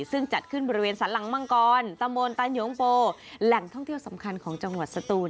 ซึ่งจัดขึ้นบริเวณสันหลังมังกรตำบลตันหยงโปแหล่งท่องเที่ยวสำคัญของจังหวัดสตูน